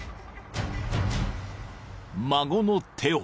［孫の手を］